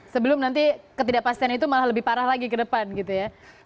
sebelum nanti ketidakpastian itu malah lebih parah lagi ke depan gitu ya